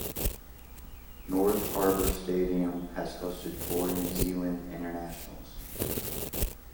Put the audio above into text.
North Harbour Stadium has hosted four New Zealand internationals.